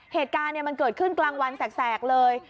เหตุการณ์มันเกิดขึ้นกลางวันแสกเลย